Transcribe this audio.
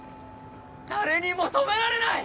誰にも止められない！